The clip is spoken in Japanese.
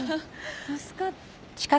助かった。